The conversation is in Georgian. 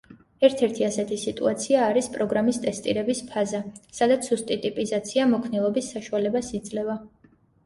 ერთ ერთი ასეთი სიტუაცია არის პროგრამის ტესტირების ფაზა, სადაც სუსტი ტიპიზაცია მოქნილობის საშუალებას იძლევა.